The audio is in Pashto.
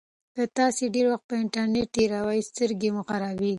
که تاسي ډېر وخت په انټرنيټ تېروئ سترګې مو خرابیږي.